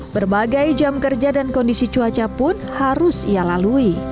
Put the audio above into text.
berbagai jam kerja dan kondisi cuaca pun harus ia lalui